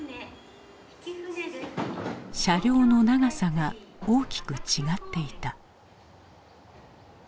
車両の長さが大きく違っていた。